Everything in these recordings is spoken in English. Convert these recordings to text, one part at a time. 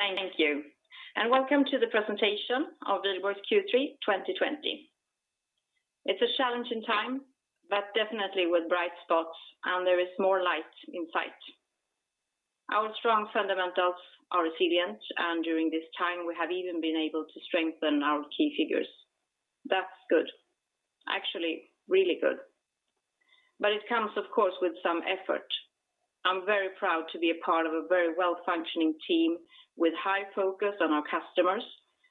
Thank you. Welcome to the presentation of Wihlborgs Q3 2020. It's a challenging time, but definitely with bright spots and there is more light in sight. Our strong fundamentals are resilient, and during this time, we have even been able to strengthen our key figures. That's good. Actually, really good. It comes, of course, with some effort. I'm very proud to be a part of a very well-functioning team with high focus on our customers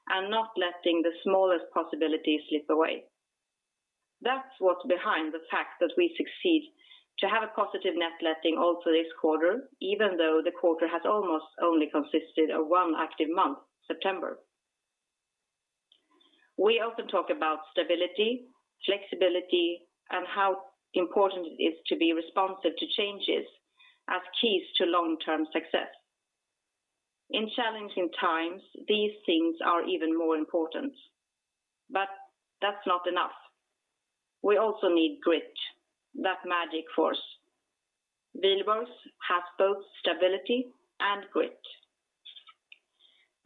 and not letting the smallest possibility slip away. That's what's behind the fact that we succeed to have a positive net letting also this quarter, even though the quarter has almost only consisted of one active month, September. We often talk about stability, flexibility, and how important it is to be responsive to changes as keys to long-term success. In challenging times, these things are even more important. That's not enough. We also need grit, that magic force. Wihlborgs has both stability and grit.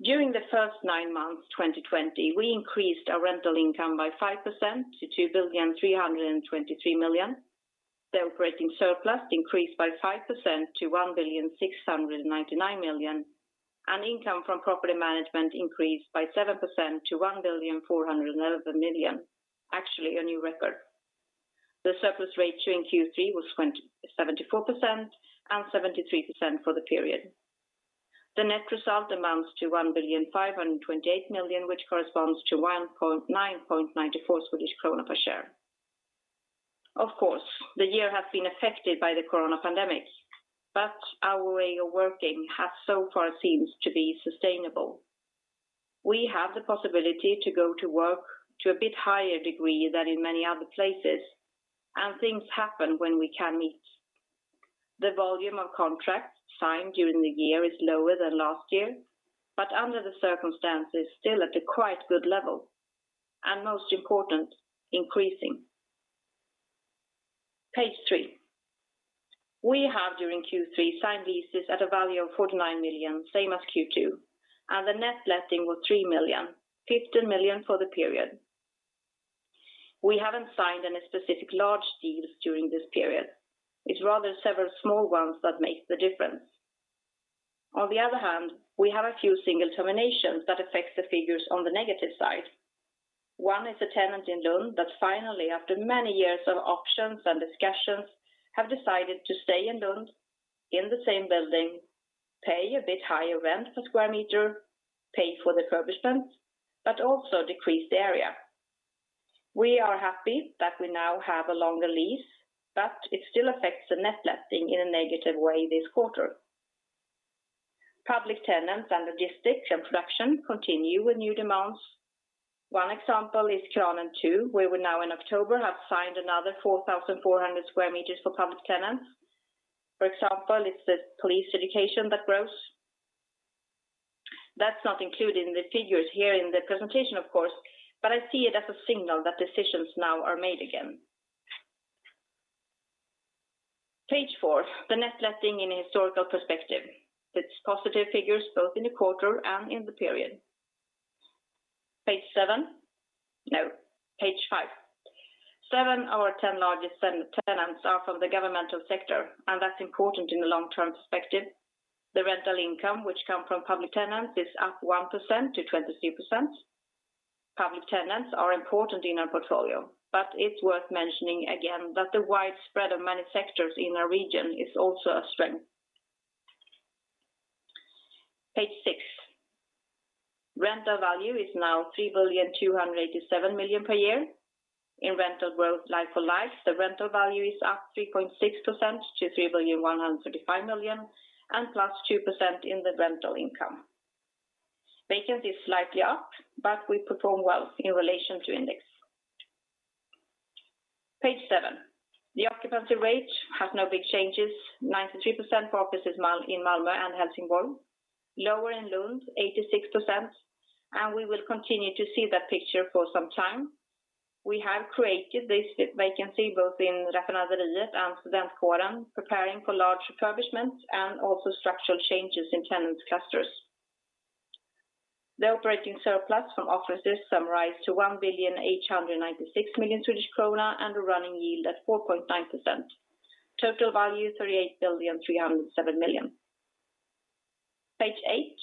During the first nine months 2020, we increased our rental income by 5% to 2,323,000,000. The operating surplus increased by 5% to 1,699,000,000, and income from property management increased by 7% to 1,411,000,000. Actually a new record. The surplus rate during Q3 was 74% and 73% for the period. The net result amounts to 1,528,000,000, which corresponds to SEK 1.9.94 per share. Of course, the year has been affected by the corona pandemic, but our way of working has so far seems to be sustainable. We have the possibility to go to work to a bit higher degree than in many other places, and things happen when we can meet. The volume of contracts signed during the year is lower than last year, but under the circumstances, still at a quite good level, and most important, increasing. Page three. We have, during Q3, signed leases at a value of 49 million, same as Q2, and the net letting was 3 million, 15 million for the period. We haven't signed any specific large deals during this period. It's rather several small ones that make the difference. On the other hand, we have a few single terminations that affect the figures on the negative side. One is a tenant in Lund that finally, after many years of options and discussions, have decided to stay in Lund in the same building, pay a bit higher rent per square meter, pay for refurbishment, but also decrease the area. We are happy that we now have a longer lease. It still affects the net letting in a negative way this quarter. Public tenants and logistics and production continue with new demands. One example is Kranen 2, where we now in October have signed another 4,400 sq m for public tenants. For example, it's the police education that grows. That's not included in the figures here in the presentation, of course, but I see it as a signal that decisions now are made again. Page four, the net letting in a historical perspective. It's positive figures both in the quarter and in the period. Page seven. No, page five. Seven out of 10 largest tenants are from the governmental sector. That's important in the long-term perspective. The rental income which come from public tenants is up 1%-23%. Public tenants are important in our portfolio, but it's worth mentioning again that the wide spread of many sectors in our region is also a strength. Page six. Rental value is now 3,287,000,000 per year. In rental growth like for like, the rental value is up 3.6% to 3,135,000,000 and +2% in the rental income. Vacancy is slightly up, but we perform well in relation to index. Page seven. The occupancy rate has no big changes. 93% for offices in Malmö and Helsingborg. Lower in Lund, 86%, and we will continue to see that picture for some time. We have created this vacancy both in Raffinaderiet and Studentkåren, preparing for large refurbishments and also structural changes in tenant clusters. The operating surplus from offices summarized to SEK 1,896,000,000 and a running yield at 4.9%. Total value 38,307,000,000. Page eight.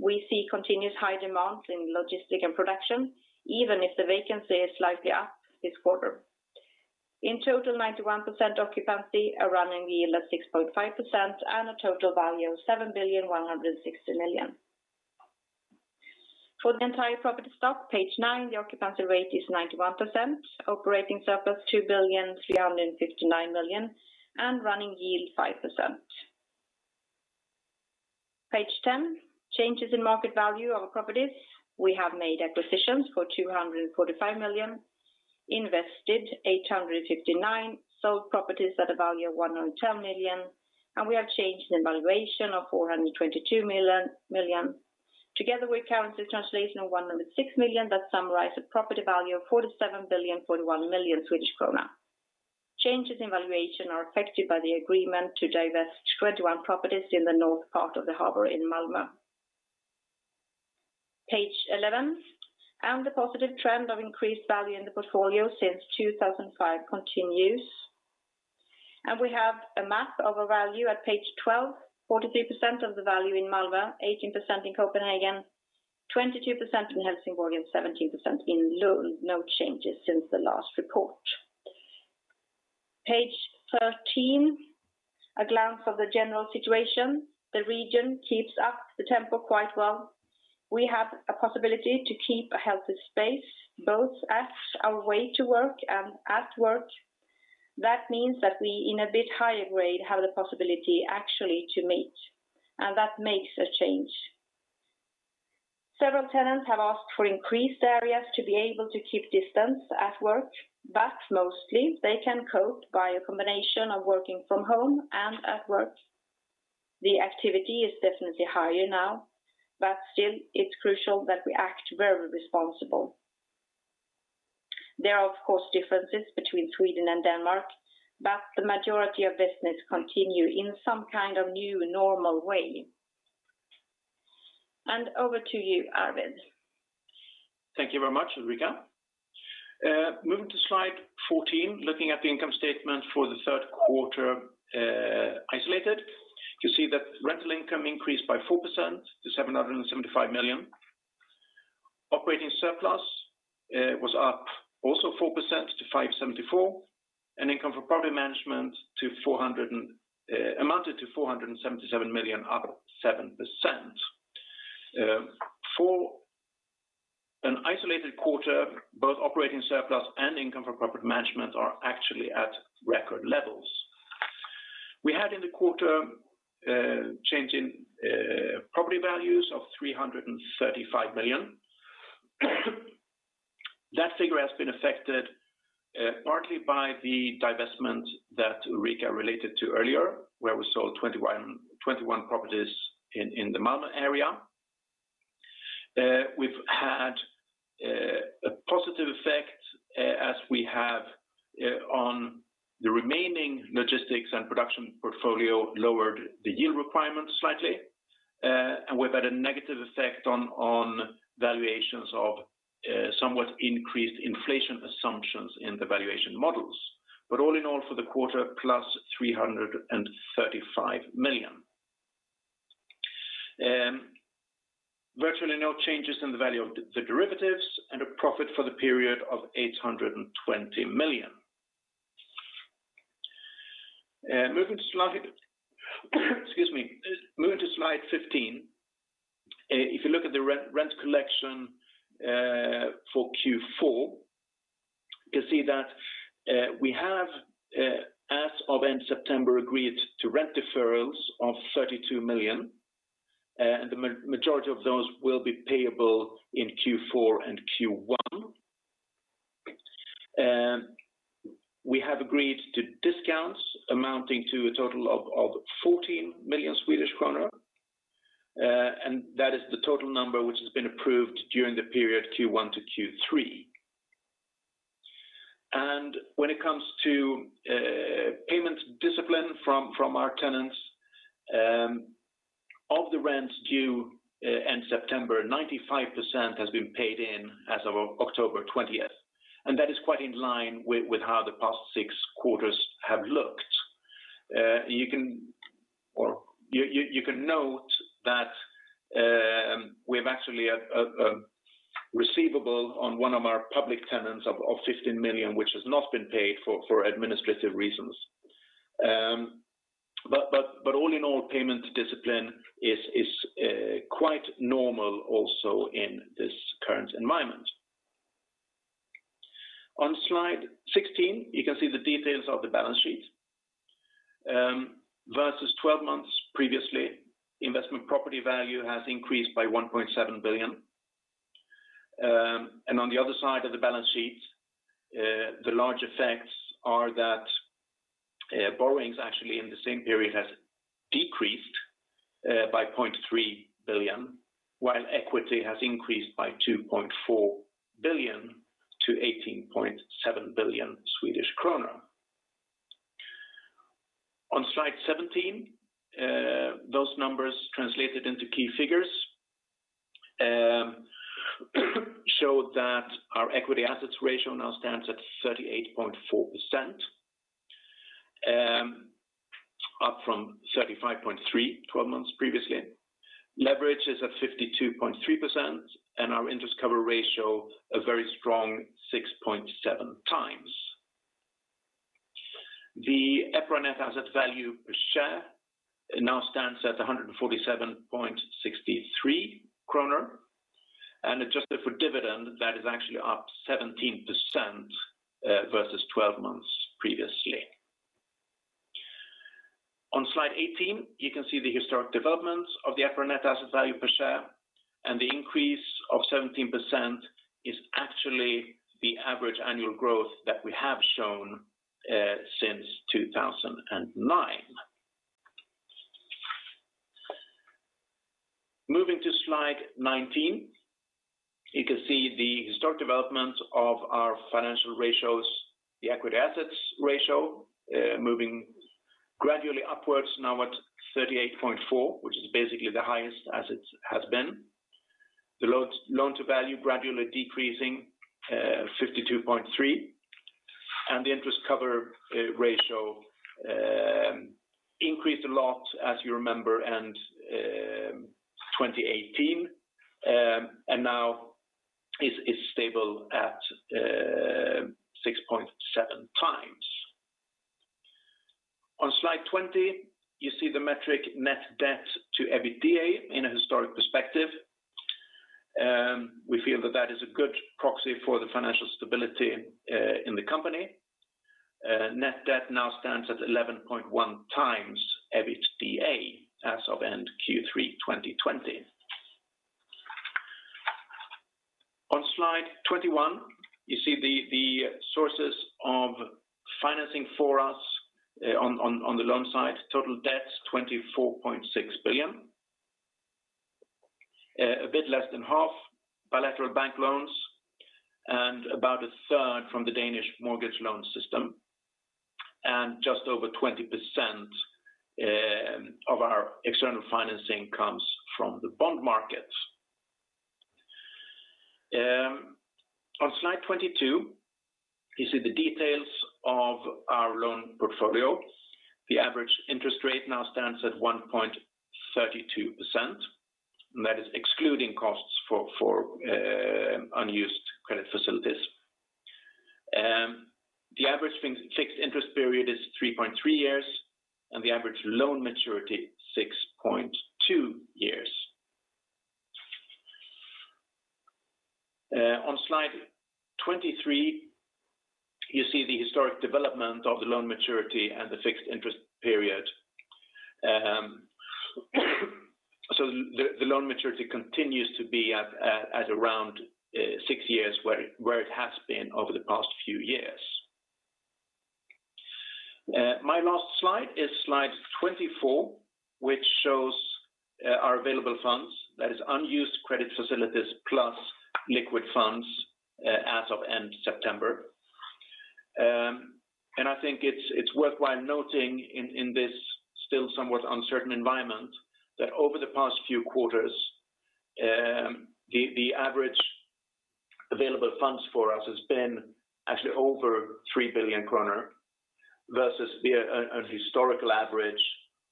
We see continuous high demand in logistic and production, even if the vacancy is slightly up this quarter. In total, 91% occupancy, a running yield of 6.5%, and a total value of 7,160,000,000. For the entire property stock, page nine, the occupancy rate is 91%, operating surplus 2,359,000,000, and running yield 5%. Page 10, changes in market value of our properties. We have made acquisitions for 245 million, invested 859 million, sold properties at a value of 110 million, and we have changed the valuation of 422 million. Together with currency translation of 106 million that summarize the property value of 47,041,000,000 Swedish krona. Changes in valuation are affected by the agreement to divest 21 properties in the north part of the harbor in Malmö. Page 11. The positive trend of increased value in the portfolio since 2005 continues. We have a map of our value at page 12, 43% of the value in Malmö, 18% in Copenhagen, 22% in Helsingborg, and 17% in Lund. No changes since the last report. Page 13, a glance of the general situation. The region keeps up the tempo quite well. We have a possibility to keep a healthy space, both as our way to work and at work. That means that we, in a bit higher grade, have the possibility actually to meet. That makes a change. Several tenants have asked for increased areas to be able to keep distance at work, but mostly they can cope by a combination of working from home and at work. The activity is definitely higher now, but still, it's crucial that we act very responsible. There are, of course, differences between Sweden and Denmark, but the majority of business continue in some kind of new normal way. Over to you, Arvid. Thank you very much, Ulrika. Moving to slide 14, looking at the income statement for the third quarter isolated. You see that rental income increased by 4% to 775 million. Operating surplus was up also 4% to 574 million, and income from property management amounted to 477 million, up 7%. For an isolated quarter, both operating surplus and income from property management are actually at record levels. We had in the quarter change in property values of 335 million. That figure has been affected partly by the divestment that Ulrika related to earlier, where we sold 21 properties in the Malmö area. We've had a positive effect as we have on the remaining logistics and production portfolio lowered the yield requirements slightly, and we've had a negative effect on valuations of somewhat increased inflation assumptions in the valuation models. All in all, for the quarter, plus 335 million. Virtually no changes in the value of the derivatives and a profit for the period of 820 million. Excuse me. Moving to slide 15. If you look at the rent collection for Q4, you see that we have as of end September, agreed to rent deferrals of 32 million, and the majority of those will be payable in Q4 and Q1. We have agreed to discounts amounting to a total of 14 million Swedish kronor. That is the total number which has been approved during the period Q1 to Q3. When it comes to payments discipline from our tenants, of the rents due end September, 95% has been paid in as of October 20th. That is quite in line with how the past six quarters have looked. You can note that we have actually a receivable on one of our public tenants of 15 million, which has not been paid for administrative reasons. All in all, payment discipline is quite normal also in this current environment. On slide 16, you can see the details of the balance sheet versus 12 months previously. Investment property value has increased by 1.7 billion. On the other side of the balance sheet, the large effects are that borrowings actually in the same period has decreased by 0.3 billion, while equity has increased by 2.4 billion to 18.7 billion Swedish kronor. On slide 17, those numbers translated into key figures show that our equity assets ratio now stands at 38.4%, up from 35.3% 12 months previously. Leverage is at 52.3% and our interest cover ratio, a very strong 6.7 times. The EPRA NAV per share now stands at 147.63 kronor, and adjusted for dividend, that is actually up 17% versus 12 months previously. On slide 18, you can see the historic developments of the EPRA NAV per share, and the increase of 17% is actually the average annual growth that we have shown since 2009. Moving to slide 19, you can see the historic development of our financial ratios, the equity ratio moving gradually upwards now at 38.4, which is basically the highest as it has been. The loan-to-value gradually decreasing, 52.3. The interest coverage ratio increased a lot, as you remember, end 2018, and now is stable at 6.7 times. On slide 20, you see the metric net debt to EBITDA in a historic perspective. We feel that that is a good proxy for the financial stability in the company. Net debt now stands at 11.1 times EBITDA as of end Q3 2020. On slide 21, you see the sources of financing for us on the loan side, total debt 24.6 billion. A bit less than half bilateral bank loans and about a third from the Danish mortgage loan system. Just over 20% of our external financing comes from the bond market. On slide 22, you see the details of our loan portfolio. The average interest rate now stands at 1.32%. That is excluding costs for unused credit facilities. The average fixed interest period is 3.3 years. The average loan maturity 6.2 years. On slide 23, you see the historic development of the loan maturity and the fixed interest period. The loan maturity continues to be at around six years, where it has been over the past few years. My last slide is slide 24, which shows our available funds. That is unused credit facilities plus liquid funds as of end September. I think it's worthwhile noting in this still somewhat uncertain environment that over the past few quarters, the average available funds for us has been actually over 3 billion kronor versus a historical average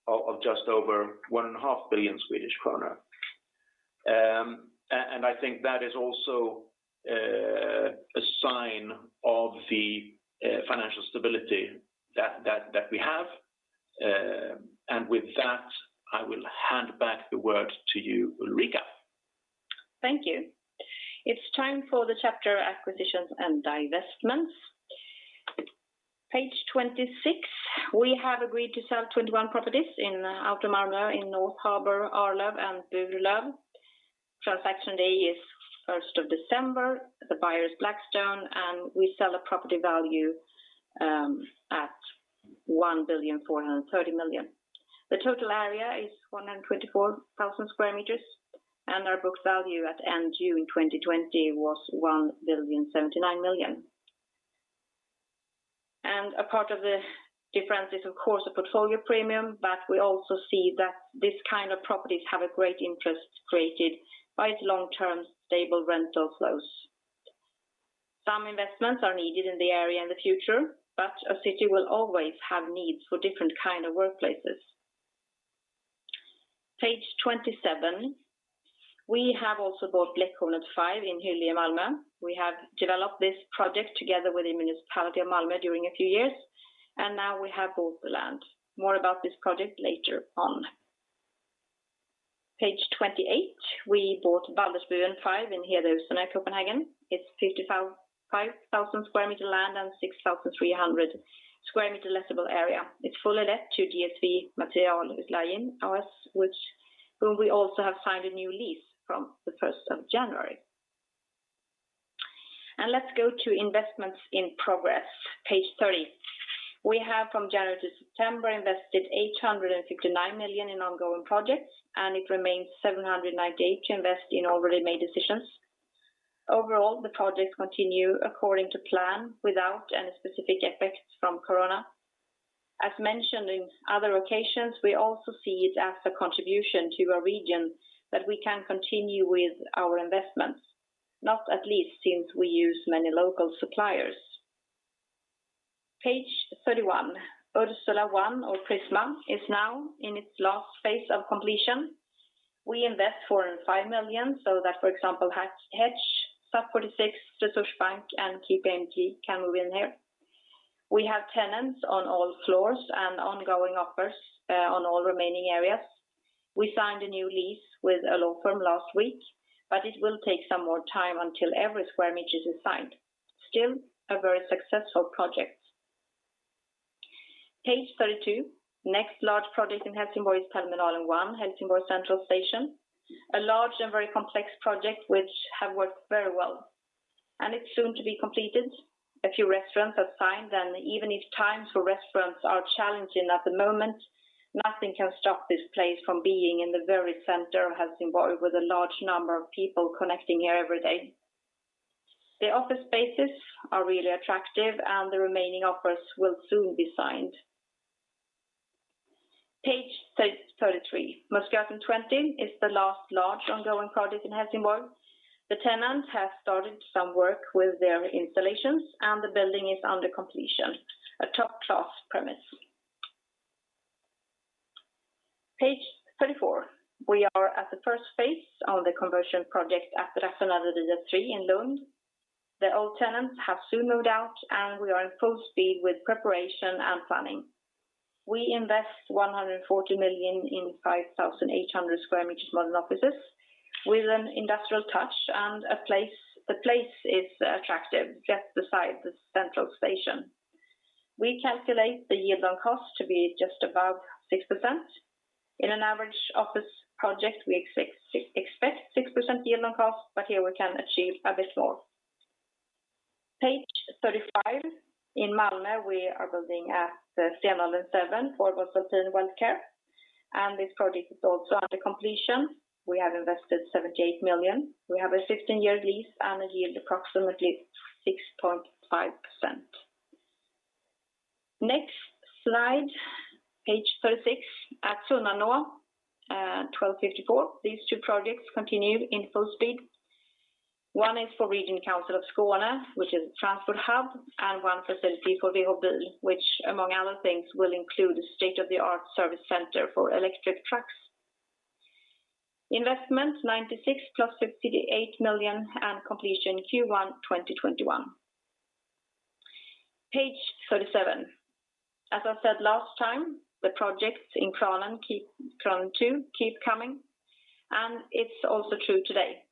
of just over 1.5 billion Swedish kronor. I think that is also a sign of the financial stability that we have. With that, I will hand back the word to you, Ulrika. Thank you. It's time for the chapter acquisitions and divestments. Page 26, we have agreed to sell 21 properties in outer Malmö in North Harbor, Arlöv, and Burlöv. Transaction day is 1st of December. The buyer is Blackstone, and we sell a property value at 1,430,000,000. The total area is 124,000 sq m, and our book value at end June 2020 was SEK 1,079,000,000. A part of the difference is, of course, a portfolio premium, but we also see that this kind of properties have a great interest created by its long-term stable rental flows. Some investments are needed in the area in the future, but a city will always have needs for different kind of workplaces. Page 27. We have also bought Blekinge 5 in Hyllie, Malmö. We have developed this project together with the municipality of Malmö during a few years, and now we have bought the land. More about this project later on. page 28. We bought Baldersbuen 5 in Hedehusene, Copenhagen. It's 55,000 sq m land and 6,300 sq m lettable area. It's fully let to DSV Materialudlejning A/S, whom we also have signed a new lease from the 1st of January. Let's go to investments in progress. page 30. We have from January to September invested 859 million in ongoing projects, and it remains 798 million to invest in already made decisions. Overall, the projects continue according to plan without any specific effects from corona. As mentioned in other occasions, we also see it as a contribution to a region that we can continue with our investments, not at least since we use many local suppliers. page 31. Ursula 1 or Prisma is now in its last phase of completion. We invest 405 million so that, for example, Hetch, SAP 46, Resurs Bank, and KPMG can move in here. We have tenants on all floors and ongoing offers on all remaining areas. We signed a new lease with a law firm last week, but it will take some more time until every square meter is signed. Still a very successful project. Page 32. Next large project in Helsingborg is Terminalen 1, Helsingborg Central Station, a large and very complex project which have worked very well. It's soon to be completed. A few restaurants have signed, and even if times for restaurants are challenging at the moment, nothing can stop this place from being in the very center of Helsingborg with a large number of people connecting here every day. The office spaces are really attractive, and the remaining offers will soon be signed. Page 33. Musköten 20 is the last large ongoing project in Helsingborg. The tenant has started some work with their installations, and the building is under completion. A top-class premise. Page 34. We are at the first phase of the conversion project at Raffinaderiet 3 in Lund. The old tenants have soon moved out, and we are in full speed with preparation and planning. We invest 140 million in 5,800 sq m modern offices with an industrial touch and the place is attractive, just beside the central station. We calculate the yield on cost to be just above 6%. In an average office project, we expect 6% yield on cost, but here, we can achieve a bit more. Page 35. In Malmö, we are building at Stenåsen 7 for Vasatens WellCare, and this project is also under completion. We have invested 78 million. We have a 15-year lease and a yield approximately 6.5%. Next slide, page 36. At Sunnanå and 1254, these two projects continue in full speed. One is for Region Skåne, which is a transport hub, and one facility for Veho Bil, which among other things will include a state-of-the-art service center for electric trucks. Investment 96 million plus 58 million and completion Q1 2021. Page 37. As I said last time, the projects in Kranen 2 keep coming, and it's also true today.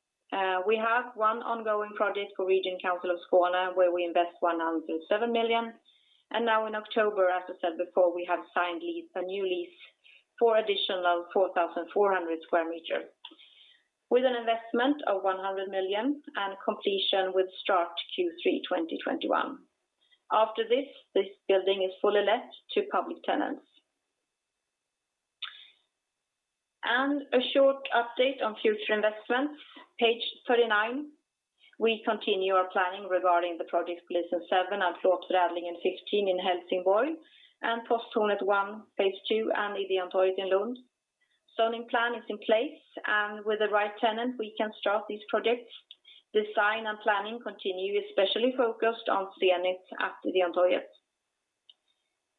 We have one ongoing project for Region Skåne, where we invest 107 million. Now in October, as I said before, we have signed a new lease for additional 4,400 square meters with an investment of 100 million and completion will start Q3 2021. After this building is fully let to public tenants. A short update on future investments. Page 39, we continue our planning regarding the project Polisen 7 and Plåtförädlingen 15 in Helsingborg, and Posthornet 1, phase 2, and Ideontorget in Lund. Zoning plan is in place, and with the right tenant, we can start these projects. Design and planning continue, especially focused on Zenit at Ideontorget.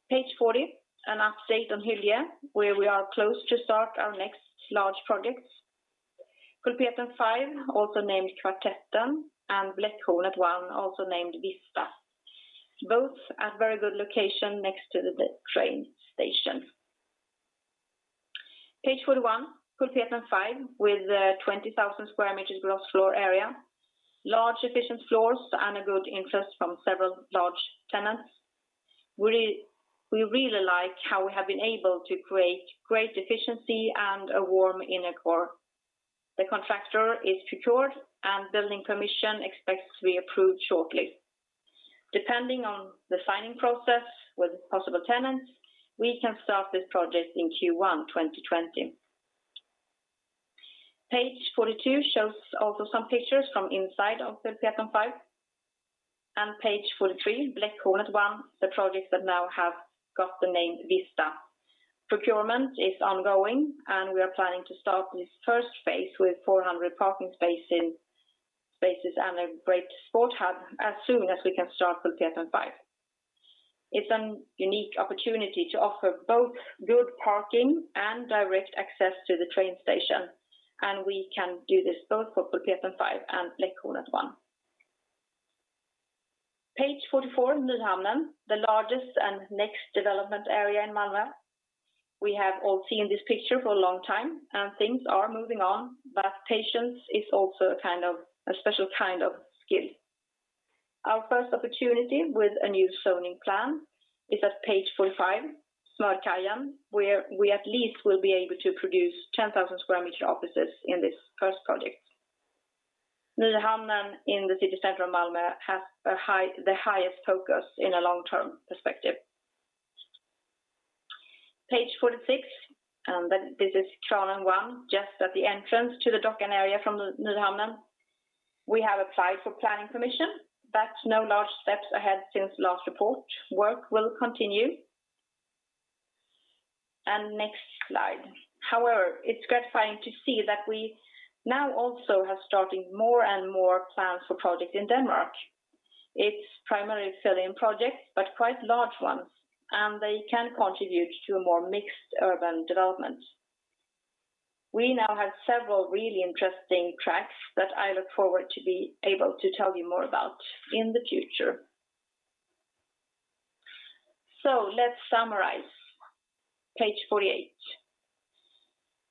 Page 40. An update on Hyllie, where we are close to start our next large projects. Pulpeten 5, also named Kvartetten, and Bläckhornet 1, also named Vista. Both at very good location next to the train station. Page 41, Pulpeten 5, with 20,000 square meters gross floor area. Large efficient floors and a good interest from several large tenants. We really like how we have been able to create great efficiency and a warm inner core. The contractor is procured, and building permission expects to be approved shortly. Depending on the signing process with possible tenants, we can start this project in Q1 2020. Page 42 shows also some pictures from inside of Pulpeten 5. page 43, Bläckhornet 1, the project that now have got the name Vista. Procurement is ongoing, and we are planning to start this first phase with 400 parking spaces and a great sport hub as soon as we can start Pulpeten 5. It's a unique opportunity to offer both good parking and direct access to the train station, and we can do this both for Pulpeten 5 and Bläckhornet 1. Page 44, Nyhamnen, the largest and next development area in Malmö. We have all seen this picture for a long time, and things are moving on, but patience is also a special kind of skill. Our first opportunity with a new zoning plan is at page 45, Smörkajen, where we at least will be able to produce 10,000 sq m offices in this first project. Nyhamnen in the city center of Malmö has the highest focus in a long-term perspective. Page 46. This is Kranen 2, just at the entrance to the dock and area from Nyhamnen. We have applied for planning permission, but no large steps ahead since last report. Work will continue. Next slide. However, it's gratifying to see that we now also have started more and more plans for projects in Denmark. It's primarily fill-in projects, but quite large ones, and they can contribute to a more mixed urban development. We now have several really interesting tracks that I look forward to be able to tell you more about in the future. Let's summarize. Page 48.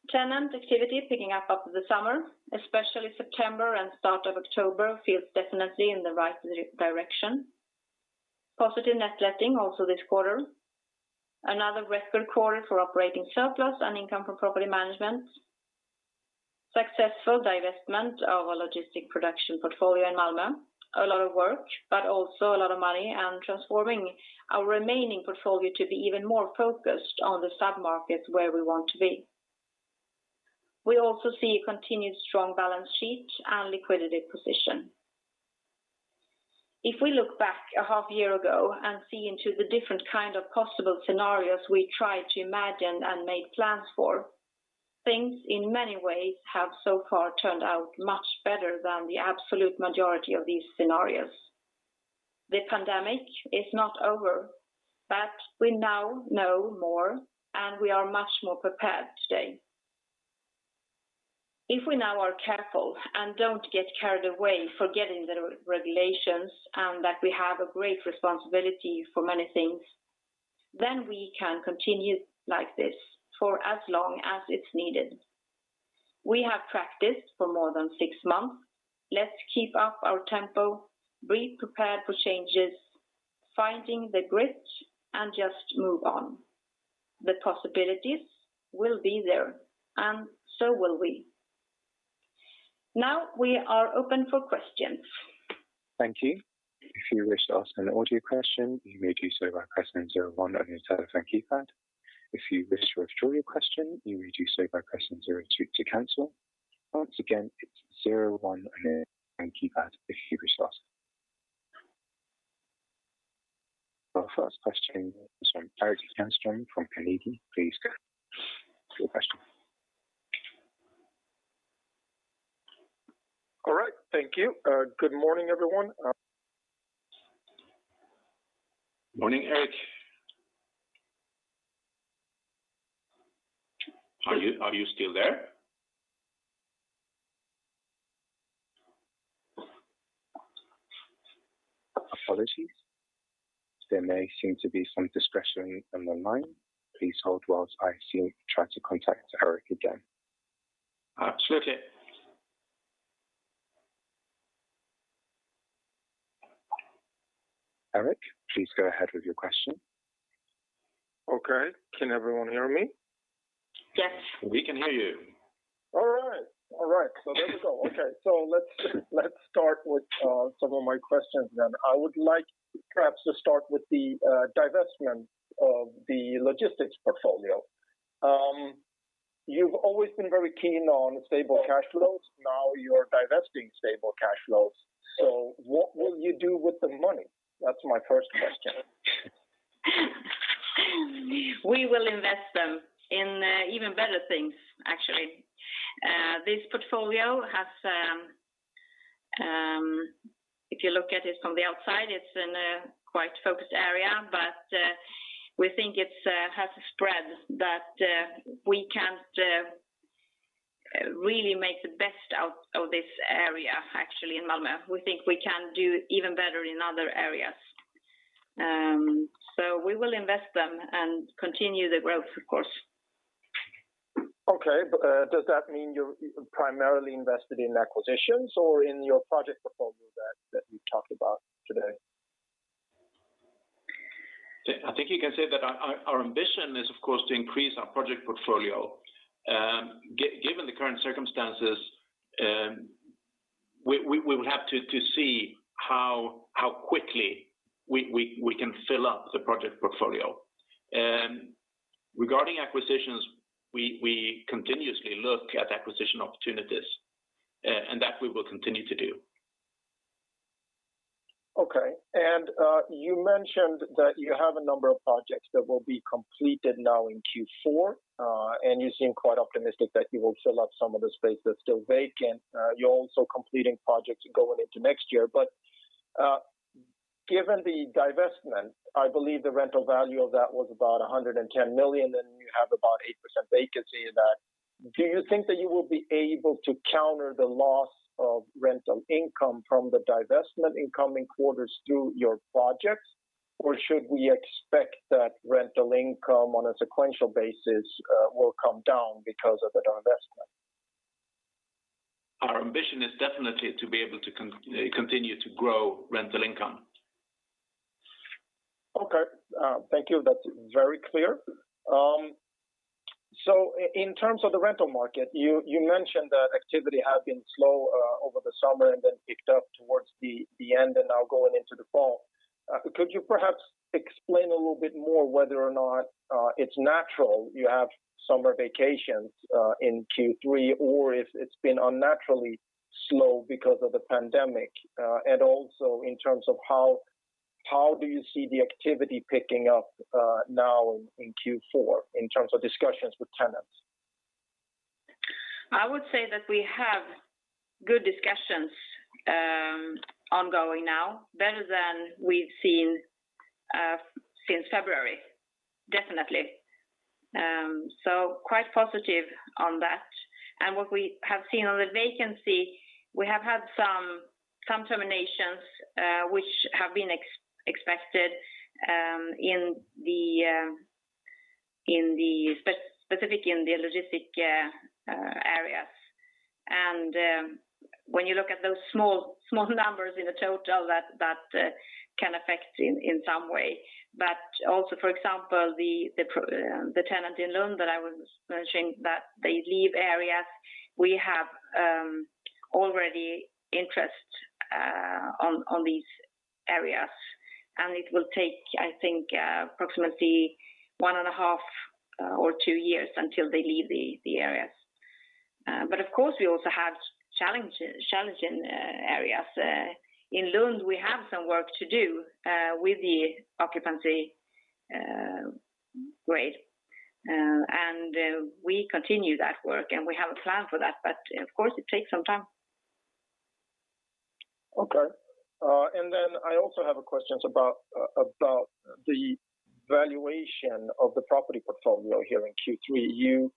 Tenant activity is picking up after the summer, especially September and start of October feels definitely in the right direction. Positive net letting also this quarter. Another record quarter for operating surplus and income from property management. Successful divestment of our logistic production portfolio in Malmö. A lot of work, but also a lot of money. Transforming our remaining portfolio to be even more focused on the sub-markets where we want to be. We also see a continued strong balance sheet and liquidity position. If we look back a half year ago and see into the different kind of possible scenarios we tried to imagine and make plans for, things, in many ways, have so far turned out much better than the absolute majority of these scenarios. The pandemic is not over, but we now know more, and we are much more prepared today. If we now are careful and don't get carried away forgetting the regulations and that we have a great responsibility for many things, then we can continue like this for as long as it's needed. We have practiced for more than six months. Let's keep up our tempo, be prepared for changes, finding the grit, and just move on. The possibilities will be there, and so will we. Now we are open for questions. Thank you. If you wish to ask an audio question, you may do so by pressing zero one on your telephone keypad. If you wish to withdraw your question, you may do so by pressing zero two to cancel. Once again, it's zero one on your phone keypad if you wish to ask. Our first question is from Erik Granström from Carnegie. Please go ahead with your question. All right, thank you. Good morning, everyone. Morning, Erik. Are you still there? Apologies. There may seem to be some disruption on the line. Please hold while I try to contact Erik again. Absolutely. Erik, please go ahead with your question. Okay. Can everyone hear me? Yes, we can hear you. All right. There we go. Okay, let's start with some of my questions then. I would like perhaps to start with the divestment of the logistics portfolio. You've always been very keen on stable cash flows. Now you're divesting stable cash flows. What will you do with the money? That's my first question. We will invest them in even better things, actually. This portfolio has, if you look at it from the outside, it's in a quite focused area, but we think it has spread that we can't really make the best out of this area, actually, in Malmö. We think we can do even better in other areas. We will invest them and continue the growth, of course. Okay. Does that mean you're primarily invested in acquisitions or in your project portfolio that you talked about today? I think you can say that our ambition is, of course, to increase our project portfolio. Given the current circumstances, we will have to see how quickly we can fill up the project portfolio. Regarding acquisitions, we continuously look at acquisition opportunities, and that we will continue to do. You mentioned that you have a number of projects that will be completed now in Q4, and you seem quite optimistic that you will fill up some of the space that's still vacant. You're also completing projects going into next year. Given the divestment, I believe the rental value of that was about 110 million, and you have about 8% vacancy in that. Do you think that you will be able to counter the loss of rental income from the divestment in coming quarters through your projects, or should we expect that rental income on a sequential basis will come down because of the divestment? Our ambition is definitely to be able to continue to grow rental income. Okay. Thank you. That's very clear. In terms of the rental market, you mentioned that activity had been slow over the summer and then picked up towards the end and now going into the fall. Could you perhaps explain a little bit more whether or not it's natural you have summer vacations in Q3 or if it's been unnaturally slow because of the pandemic? Also in terms of how do you see the activity picking up now in Q4 in terms of discussions with tenants? I would say that we have good discussions ongoing now, better than we've seen since February. Definitely. Quite positive on that. What we have seen on the vacancy, we have had some terminations, which have been expected specifically in the logistic areas. When you look at those small numbers in the total, that can affect in some way. Also, for example, the tenant in Lund that I was mentioning, that they leave areas, we have already interest on these areas, and it will take, I think, approximately one and a half or two years until they leave the areas. Of course, we also have challenging areas. In Lund, we have some work to do with the occupancy grade. We continue that work, and we have a plan for that. Of course, it takes some time. Okay. I also have a question about the valuation of the property portfolio here in Q3.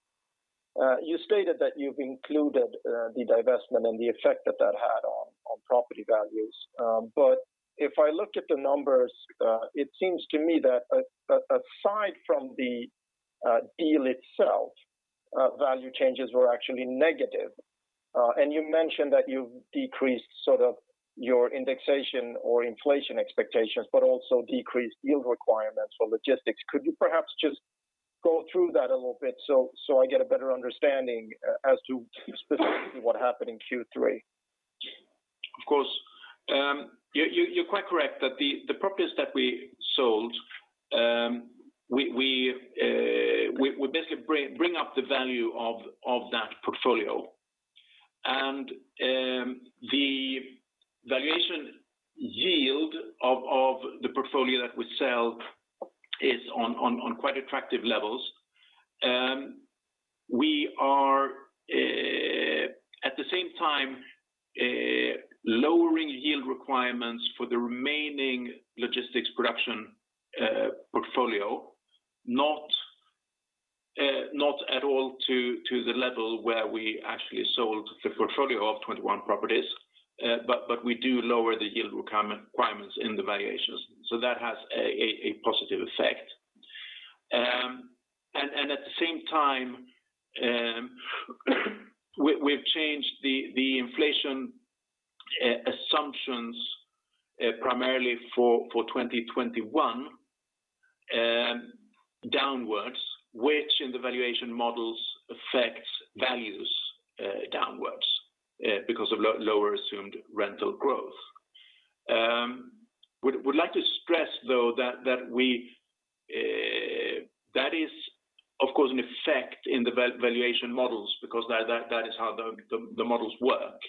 You stated that you've included the divestment and the effect that that had on property values. If I look at the numbers, it seems to me that aside from the deal itself, value changes were actually negative. You mentioned that you've decreased your indexation or inflation expectations, but also decreased yield requirements for logistics. Could you perhaps just go through that a little bit so I get a better understanding as to specifically what happened in Q3? Of course. You're quite correct that the properties that we sold, we basically bring up the value of that portfolio. The valuation yield of the portfolio that we sell is on quite attractive levels. We are, at the same time, lowering yield requirements for the remaining logistics production portfolio, not at all to the level where we actually sold the portfolio of 21 properties. We do lower the yield requirements in the valuations. That has a positive effect. At the same time, we've changed the inflation assumptions primarily for 2021 downwards, which in the valuation models affects values downwards because of lower assumed rental growth. Would like to stress, though, that is, of course, an effect in the valuation models because that is how the models work.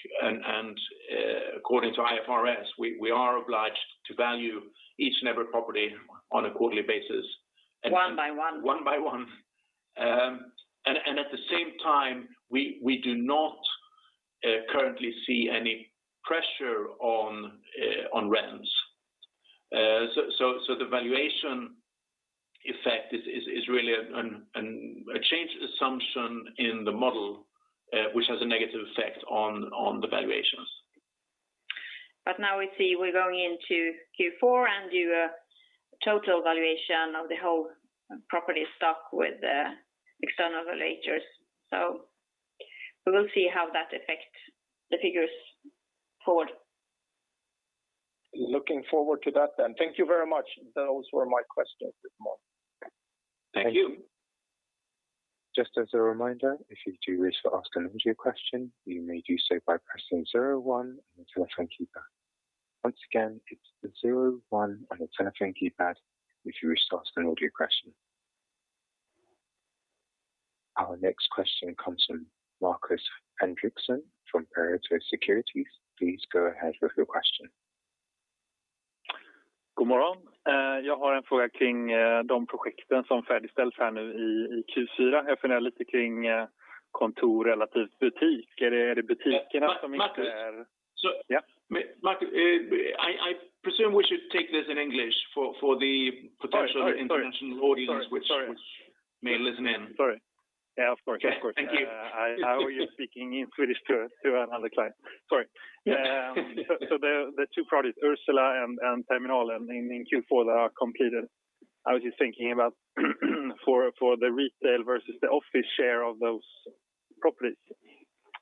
According to IFRS, we are obliged to value each and every property on a quarterly basis. One by one. One by one. At the same time, we do not currently see any pressure on rents. The valuation effect is really a change assumption in the model, which has a negative effect on the valuations. Now we see we're going into Q4 and do a total valuation of the whole property stock with external valuators. We will see how that affects the figures forward. Looking forward to that then. Thank you very much. Those were my questions this morning. Thank you. Our next question comes from Markus Henriksson from Pareto Securities. Please go ahead with your question. Good morning. Markus, I presume we should take this in English for the potential international audience. Sorry may listen in. Sorry. Yeah, of course. Thank you. I owe you speaking in Swedish to another client. Sorry. The two projects, Ursula and Terminal in Q4 that are completed, I was just thinking about for the retail versus the office share of those properties,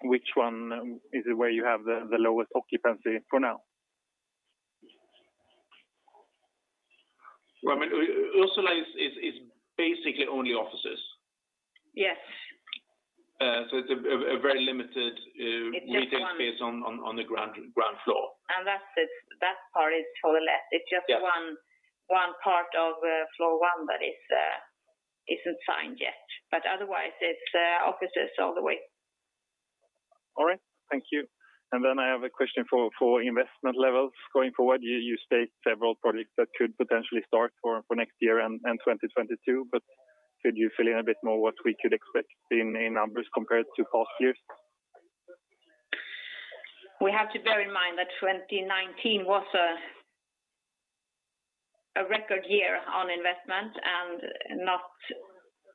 which one is it where you have the lowest occupancy for now? Well, Ursula is basically only offices. Yes. it's a very limited- It's just one- retail space on the ground floor. That part is totally let. It's just one part of floor one that isn't signed yet. Otherwise, it's offices all the way. All right. Thank you. I have a question for investment levels going forward. You state several projects that could potentially start for next year and 2022, but could you fill in a bit more what we could expect in the numbers compared to past years? We have to bear in mind that 2019 was a record year on investment and not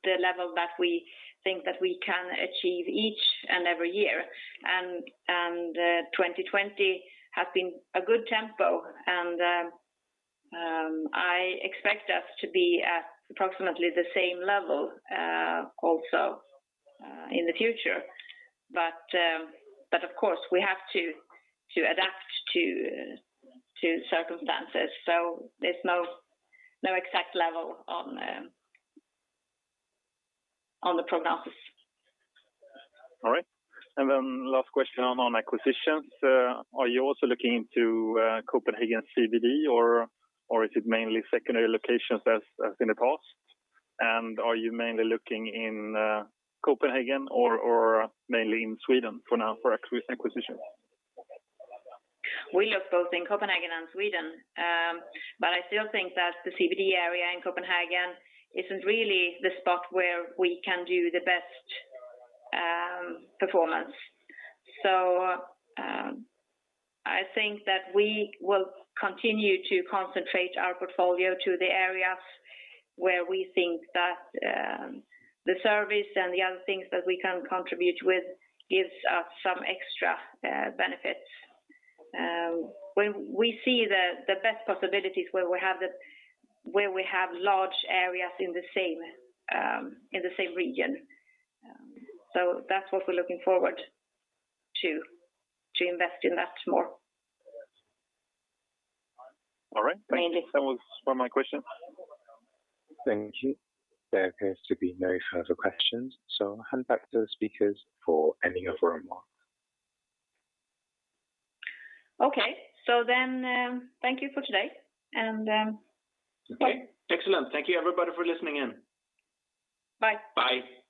the level that we think that we can achieve each and every year. 2020 has been a good tempo. I expect us to be at approximately the same level also in the future. Of course, we have to adapt to circumstances. There's no exact level on the prognosis. All right. Last question on acquisitions. Are you also looking into Copenhagen CBD or is it mainly secondary locations as in the past? Are you mainly looking in Copenhagen or mainly in Sweden for now for acquisitions? We look both in Copenhagen and Sweden. I still think that the CBD area in Copenhagen isn't really the spot where we can do the best performance. I think that we will continue to concentrate our portfolio to the areas where we think that the service and the other things that we can contribute with gives us some extra benefits. We see the best possibilities where we have large areas in the same region. That's what we're looking forward to invest in that more. All right. Mainly. That was all my questions. Thank you. There appears to be no further questions. I'll hand back to the speakers for any other remarks. Okay. Thank you for today. Okay. Excellent. Thank you everybody for listening in. Bye. Bye.